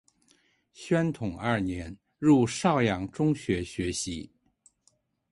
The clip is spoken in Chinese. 宣统二年入邵阳中学学习。